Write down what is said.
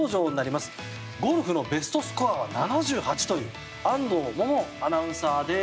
ゴルフのベストスコアは７８という安藤萌々アナウンサーです。